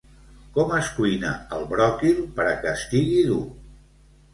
Com es cuina el bròquil per a que estigui dur?